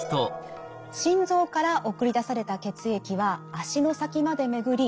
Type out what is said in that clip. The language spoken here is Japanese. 心臓から送り出された血液は足の先まで巡り